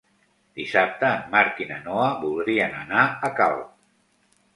Dissabte en Marc i na Noa voldrien anar a Calp.